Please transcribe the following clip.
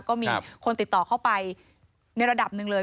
ก็มีคนติดต่อเข้าไปในระดับหนึ่งเลย